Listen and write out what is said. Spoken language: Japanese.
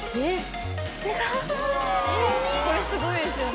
・これすごいですよね・